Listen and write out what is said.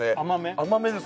甘めです